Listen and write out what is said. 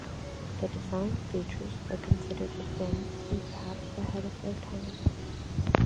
The design features were considered advanced and perhaps ahead of their time.